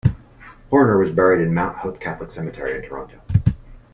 Horner was buried in Mount Hope Catholic Cemetery in Toronto.